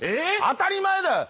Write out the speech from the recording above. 当たり前だよ。